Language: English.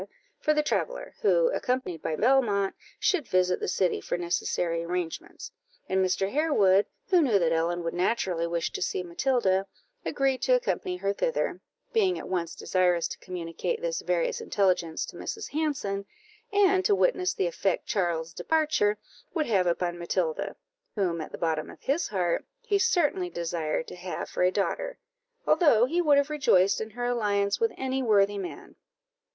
for the traveller, who, accompanied by Belmont, should visit the city for necessary arrangements; and Mr. Harewood, who knew that Ellen would naturally wish to see Matilda, agreed to accompany her thither, being at once desirous to communicate this various intelligence to Mrs. Hanson, and to witness the effect Charles's departure would have upon Matilda, whom, at the bottom of his heart, he certainly desired to have for a daughter, although he would have rejoiced in her alliance with any worthy man.